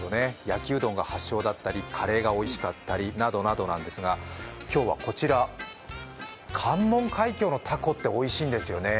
焼きうどんが発祥だったりカレーがおいしかったりなどなどなんですが、今日はこちら、関門海峡のたこっておいしいんですよね。